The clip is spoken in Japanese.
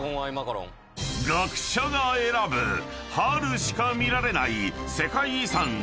［学者が選ぶ春しか見られない世界遺産絶景ランキング］